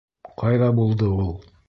Ҡайҙа булды ул?